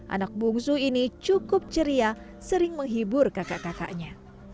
anak bungsu ini cukup ceria sering menghibur kakak kakaknya